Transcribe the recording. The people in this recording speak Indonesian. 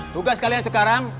tugas kalian sekarang